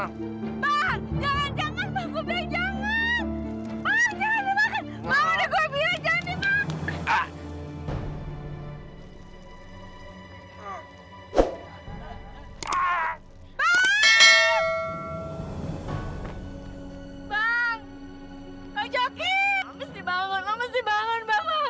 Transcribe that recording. bang jangan jangan bang gua bilang jangan bang jangan dimakan